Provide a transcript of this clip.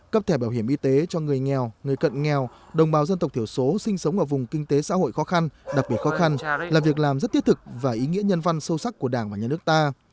cấp thẻ bảo hiểm y tế cho người nghèo người cận nghèo đồng bào dân tộc thiểu số sinh sống ở vùng kinh tế xã hội khó khăn đặc biệt khó khăn là việc làm rất thiết thực và ý nghĩa nhân văn sâu sắc của đảng và nhà nước ta